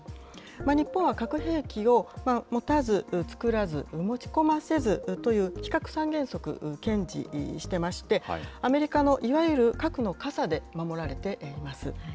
日本は核兵器を持たず、作らず、持ち込ませずという、非核三原則、堅持してまして、アメリカのいわゆる核の傘で守られています。